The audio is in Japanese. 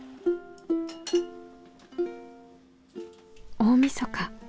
大みそか。